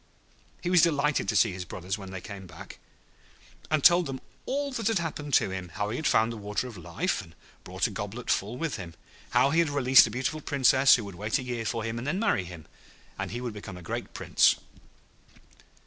}] He was delighted to see his brothers when they came back, and told them all that had happened to him; how he had found the Water of Life, and brought a goblet full with him. How he had released a beautiful Princess, who would wait a year for him and then marry him, and he would become a great Prince.